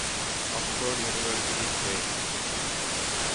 Oxford University press.